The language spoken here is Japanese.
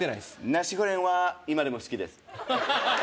ナシゴレンは今でも好きです